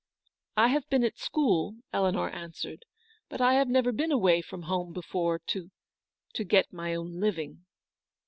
" I have been at school," Eleanor answered ;" but I have never been away from home before — to — to get my own living."